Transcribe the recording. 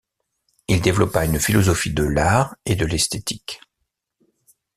Il développa une philosophie de l'art et de l'esthétique.